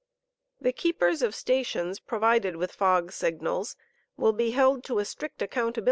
The keepers of stations provided with fog signals will be held to a strict i y acceptable.